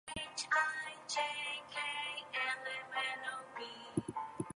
A position-independent program could be loaded at any address in memory.